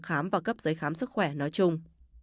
khám và cấp giấy khám sức khỏe nói chung